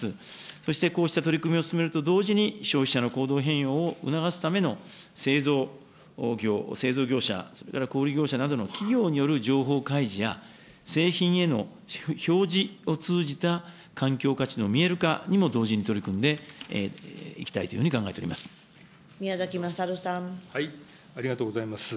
そしてこうした取り組みを進めると同時に、消費者の行動変容を促すための製造業、製造業者、それから小売り業者などの企業による情報開示や、製品への表示を通じた環境価値の見える化にも同時に取り組んでい宮崎勝さん。ありがとうございます。